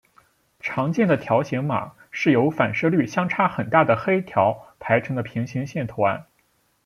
常见的条形码是由反射率相差很大的黑条排成的平行线图案。